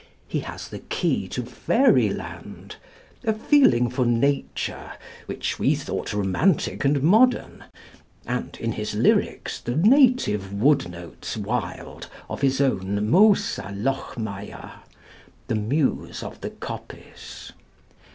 He has the key to fairy land, a feeling for nature which we thought romantic and modern, and in his lyrics the native wood notes wild of his own 'Mousa lochmaia' (the muse of the coppice).